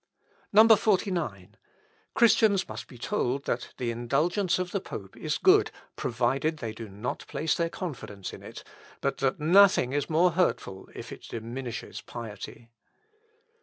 49. "Christians must be told that the indulgence of the pope is good provided they do not place their confidence in it, but that nothing is more hurtful if it diminishes piety.